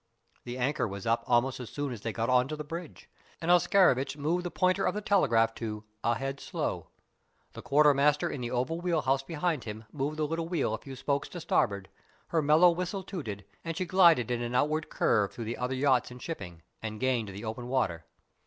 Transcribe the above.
The anchor was up almost as soon as they got on to the bridge, and Oscarovitch moved the pointer of the telegraph to "Ahead slow." The quartermaster in the oval wheel house behind him moved the little wheel a few spokes to starboard, her mellow whistle tooted, and she glided in an outward curve through the other yachts and shipping, and gained the open water.